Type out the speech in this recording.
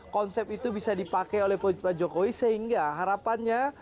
konsep itu bisa dipakai oleh pak jokowi sehingga harapannya